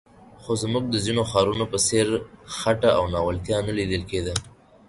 خو د زموږ د ځینو ښارونو په څېر خټه او ناولتیا نه لیدل کېده.